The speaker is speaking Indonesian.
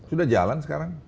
sudah jalan sekarang